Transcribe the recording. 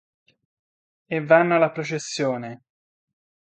E vanno alla processione!